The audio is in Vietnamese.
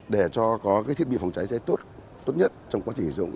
để cho có cái thiết bị phòng cháy cháy tốt nhất trong quá trình sử dụng